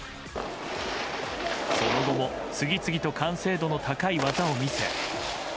その後も次々と完成度の高い技を見せ。